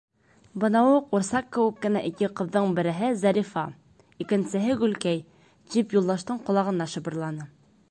— Бынауы ҡурсаҡ кеүек кенә ике ҡыҙҙың береһе Зарифа, икенсеһе Гөлкәй, -тип Юлдаштың ҡолағына шыбырланы.